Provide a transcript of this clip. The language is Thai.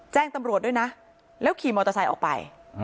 แจ้งตำรวจด้วยนะแล้วขี่มอเตอร์ไซค์ออกไป